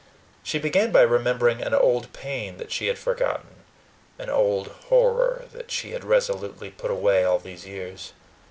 She began by remembering an old pain that she had forgotten, an old horror that she had resolutely put away all these years.